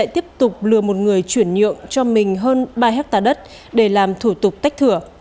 tiếp tục lừa một người chuyển nhượng cho mình hơn ba ha đất để làm thủ tục tách thừa